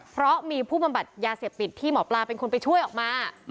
เพราะมีผู้บำบัดยาเสพติดที่หมอปลาเป็นคนไปช่วยออกมา